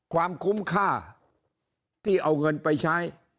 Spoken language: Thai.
ความคุ้มค่าที่เอาเงินไปใช้